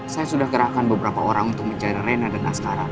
saya sudah gerakkan beberapa orang untuk mencari rena dan askara pak